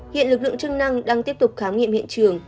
hiện lực lượng chức năng đang tiếp tục khám nghiệm hiện trường